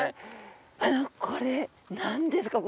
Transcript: あのこれ何ですか？